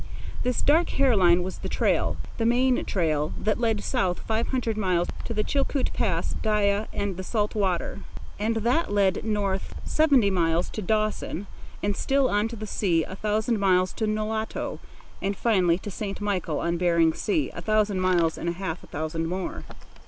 This dark hair line was the trail—the main trail—that led south five hundred miles to the Chilcoot Pass, Dyea, and salt water; and that led north seventy miles to Dawson, and still on to the north a thousand miles to Nulato, and finally to St. Michael on Bering Sea, a thousand miles and half a thousand more.